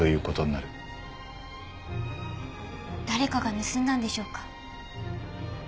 誰かが盗んだんでしょうか？